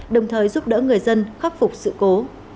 đồng thời giúp đỡ người dân khắc phục sự cố